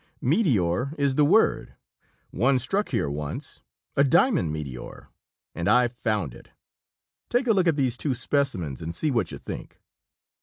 Meteor is the word! One struck here once a diamond meteor! and I've found it. Take a look at these two specimens and see what you think."